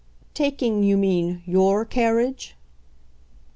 "Taking, you mean, YOUR carriage?"